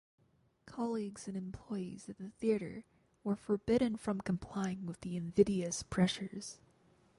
Colleagues and employees at the theatre were forbidden from complying with the invidious pressures.